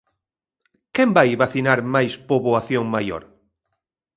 ¿Quen vai vacinar máis poboación maior?